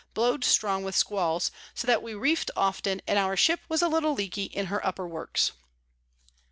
blow'd strong with Squalls, so that we reef'd often, and our Ship was a little leaky in her upper Works.